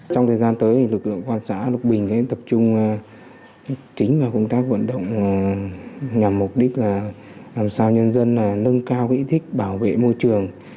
trong thời gian tới lực lượng quan sát lục bình tập trung chính vào công tác vận động nhằm mục đích là làm sao nhân dân nâng cao ý thức bảo vệ môi trường